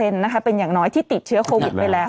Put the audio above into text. เป็นอย่างน้อยที่ติดเชื้อโควิดไปแล้ว